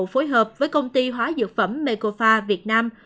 phối hợp với công ty hóa dược phẩm mekofa việt nam